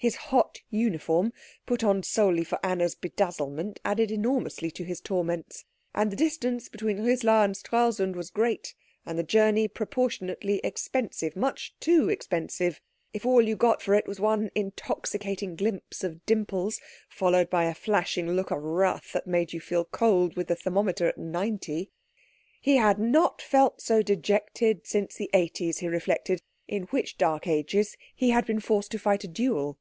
His hot uniform, put on solely for Anna's bedazzlement, added enormously to his torments; and the distance between Rislar and Stralsund was great, and the journey proportionately expensive much too expensive, if all you got for it was one intoxicating glimpse of dimples, followed by a flashing look of wrath that made you feel cold with the thermometer at ninety. He had not felt so dejected since the eighties, he reflected, in which dark ages he had been forced to fight a duel.